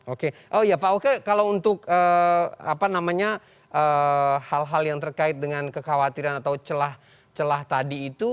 oke oh ya pak oke kalau untuk hal hal yang terkait dengan kekhawatiran atau celah celah tadi itu